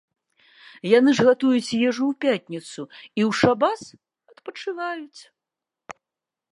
Яны ж гатуюць ежу ў пятніцу і ў шабас адпачываюць.